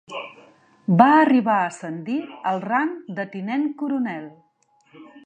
Va arribar a ascendir al rang de Tinent coronel.